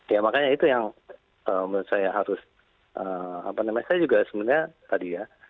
ya makanya itu yang menurut saya harus apa namanya saya juga sebenarnya tadi ya